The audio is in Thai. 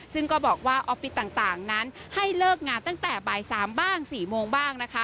ซึ่งก็บอกว่าออฟฟิศต่างนั้นให้เลิกงานตั้งแต่บ่าย๓บ้าง๔โมงบ้างนะคะ